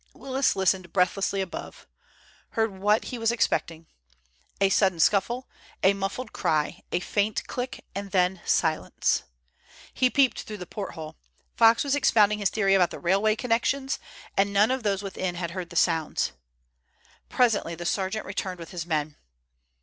Willis listened breathlessly above, heard what he was expecting—a sudden scuffle, a muffled cry, a faint click, and then silence. He peeped through the porthole. Fox was expounding his theory about the railway connections, and none of those within had heard the sounds. Presently the sergeant returned with his men.